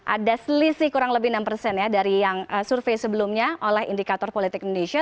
ada selisih kurang lebih enam persen ya dari yang survei sebelumnya oleh indikator politik indonesia